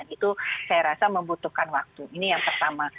itu saya rasa membutuhkan waktu ini yang pertama